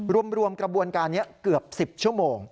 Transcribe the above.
รวมกระบวนการนี้เกือบ๑๐ชั่วโมง